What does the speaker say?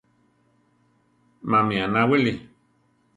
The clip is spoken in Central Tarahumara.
Mami anáwili?